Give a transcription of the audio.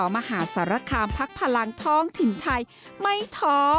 มหาสารคามพักพลังท้องถิ่นไทยไม่ท้อ